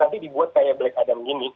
nanti dibuat kayak black adam ini